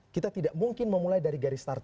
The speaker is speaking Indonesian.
kita tidak mungkin memulai dari garis startup